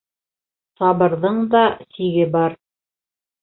Сабырҙың да сиге бар.